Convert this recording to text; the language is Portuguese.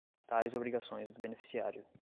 tais obrigações do beneficiário.